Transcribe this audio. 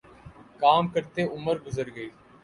کام کرتے عمر گزر گئی